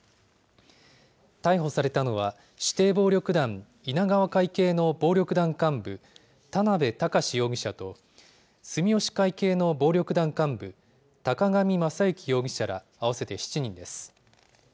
逮捕されたのは、指定暴力団稲川会系の暴力団幹部、田邊高士容疑者と、住吉会系の暴力団幹部、高上雅之容疑者ら、合わせて７人です。